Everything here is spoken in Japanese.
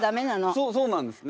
そうなんですね。